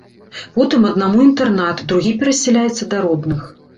Потым аднаму інтэрнат, другі перасяляецца да родных.